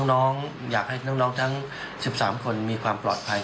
น้องอยากให้น้องทั้ง๑๓คนมีความปลอดภัย